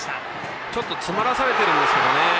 ちょっと詰まらされてるんですけどね。